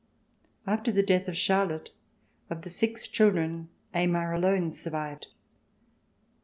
After the death of Charlotte, of the six children, Aymar alone survived.